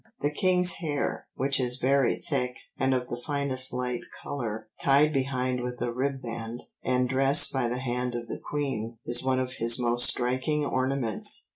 The king's "hair, which is very thick, and of the finest light colour, tied behind with a ribband, and dressed by the hand of the queen, is one of his most striking ornaments.